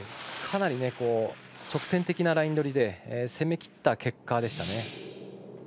かなり、直線的なライン取りで攻めきった結果ですね。